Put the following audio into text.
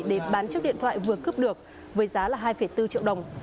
để bán chiếc điện thoại vừa cướp được với giá là hai bốn triệu đồng